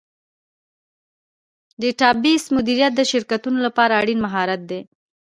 ډیټابیس مدیریت د شرکتونو لپاره اړین مهارت دی.